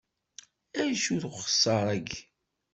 Acu-t uxessar-aki?